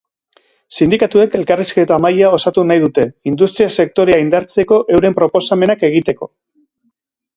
Sindikatuek elkarrizketa mahaia osatu nahi dute, industria sektorea indartzeko euren proposamenak egiteko.